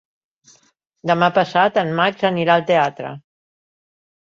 Demà passat en Max anirà al teatre.